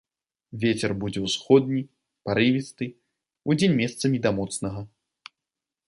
Вецер будзе ўсходні, парывісты, удзень месцамі да моцнага.